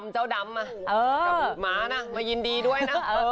เจ้าดำฟะกับหมานะดีด้วยนะ